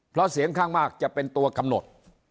เพราะเสียงข้างมากจะเป็นตัวกำหนด